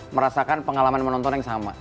merasakan pengalaman menonton yang sama